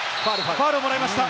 ファウルをもらいました。